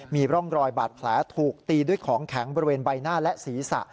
มีร่องรอยบาดแผลถูกตีด้วยของแข็งบริเวณใบหน้าและศีรษะ